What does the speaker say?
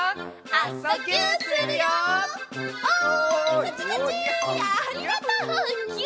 ありがとうぎゅ。